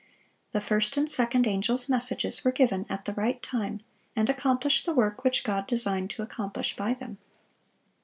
The first and second angels' messages were given at the right time, and accomplished the work which God designed to accomplish by them.